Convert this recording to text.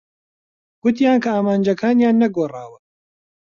گوتیان کە ئامانجەکانیان نەگۆڕاوە.